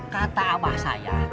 kata abah saya